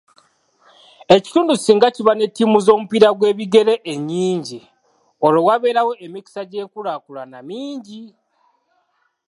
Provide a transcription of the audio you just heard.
Ekitundu singa kiba ne ttiimu z'omupiira gw'ebigere ennyingi, olwo wabeerawo emikisa gy'enkulaakulana mingi.